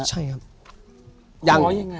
ใช่ครับ